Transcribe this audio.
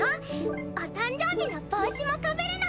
お誕生日の帽子もかぶるの。